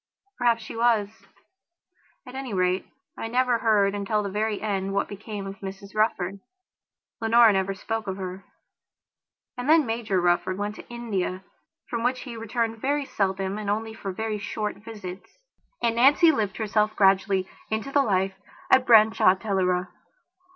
Perhaps she was. At any rate, I never heard until the very end what became of Mrs Rufford. Leonora never spoke of her. And then Major Rufford went to India, from which he returned very seldom and only for very short visits; and Nancy lived herself gradually into the life at Branshaw Teleragh.